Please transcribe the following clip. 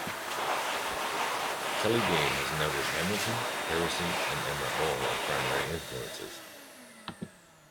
Kelly Gay has noted Hamilton, Harrison, and Emma Bull as primary influences.